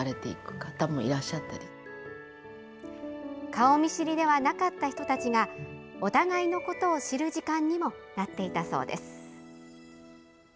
顔見知りではなかった人たちがお互いのことを知る時間にもなっていたそうです。